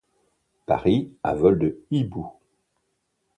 Paris à vol de hibou